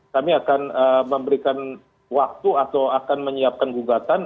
kami akan memberikan waktu atau akan menyiapkan gugatan